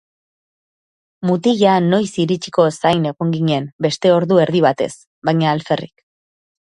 Mutila noiz iritsiko zain egon ginen beste ordu erdi batez, baina alferrik.